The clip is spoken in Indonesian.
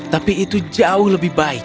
tapi itu jauh lebih baik